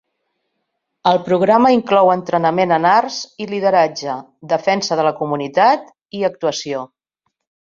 El programa inclou entrenament en arts i lideratge, defensa de la comunitat i actuació.